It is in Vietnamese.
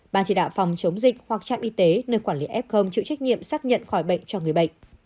ban chỉ đạo phòng chống dịch hoặc trạm y tế nơi quản lý f chịu trách nhiệm xác nhận khỏi bệnh cho người bệnh